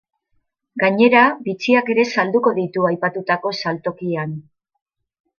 Gainera, bitxiak ere salduko ditu aipatutako saltokian.